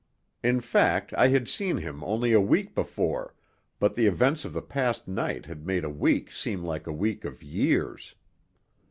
In fact, I had seen him only a week before, but the events of the past night had made a week seem like a week of years.